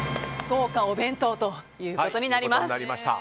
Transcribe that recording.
豪華お弁当ということになります。